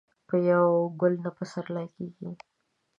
په يوه ګل نه پسرلی کېږي.